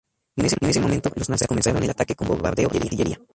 En ese momento, los nazis comenzaron el ataque con bombardeo de artillería.